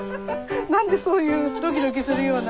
何でそういうドキドキするような。